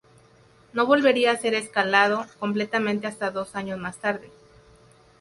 No volvería a ser escalado completamente hasta dos años más tarde.